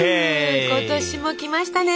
今年も来ましたね。